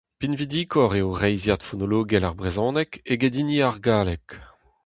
Pinvidikoc'h eo reizhiad fonologel ar brezhoneg eget hini ar galleg.